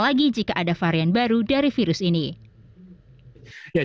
namun hal itu tidak menjamin bahwa kasus antivirus ini akan menyebabkan penyakit covid sembilan belas